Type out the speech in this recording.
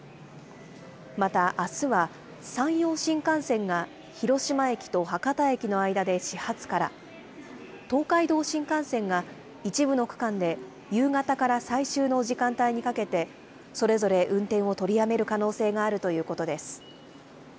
またあすは、山陽新幹線が広島駅と博多駅の間で始発から、東海道新幹線が一部の区間で夕方から最終の時間帯にかけて、それぞれ運転を取りやめる可能性があるということです。